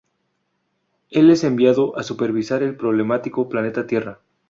Él es enviado a supervisar el problemático planeta Tierra.